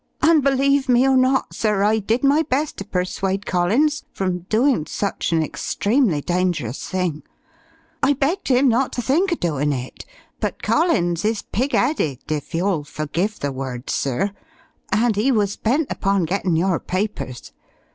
"And believe me or not, sir, I did my best to persuade Collins from doin' such an extremely dangerous thing. I begged 'im not to think o' doin' it, but Collins is pig 'eaded, if you'll forgive the word, sir, and he was bent upon gettin' your papers.